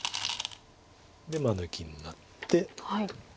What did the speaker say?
で抜きになって。